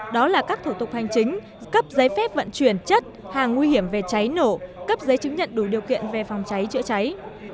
đó là các thủ tục hành chính cấp giấy phép vận chuyển chất hàng nguy hiểm về cháy nổ cấp giấy chứng nhận đủ điều kiện về phòng cháy chữa cháy